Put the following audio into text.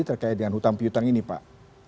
terkait dengan utang piutang ini pak